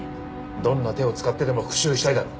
どんな手を使ってでも復讐したいだろう。